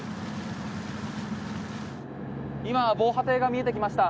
今、防波堤が見えてきました。